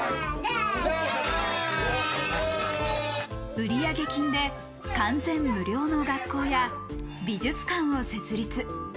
売上金で完全無料の学校や美術館を設立。